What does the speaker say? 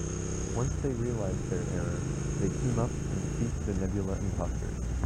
Once they realize their error, they team up and defeat the Nebula imposters.